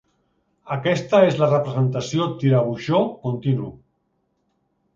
Aquesta és la representació "tirabuixó continu".